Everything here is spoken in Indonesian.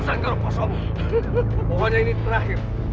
surah apa sih pak